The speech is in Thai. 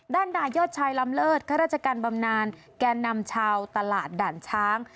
ดายอดชายลำเลิศข้าราชการบำนานแก่นำชาวตลาดด่านช้าง